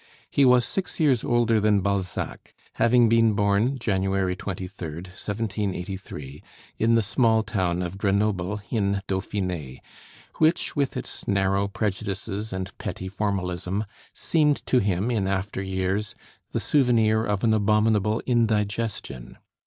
He was six years older than Balzac, having been born January 23d, 1783, in the small town of Grenoble, in Dauphiné, which, with its narrow prejudices and petty formalism, seemed to him in after years "the souvenir of an abominable indigestion."